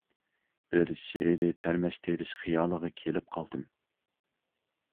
بىر شېئىرى تەرمەچ تېرىش خىيالىغا كېلىپ قالدىم.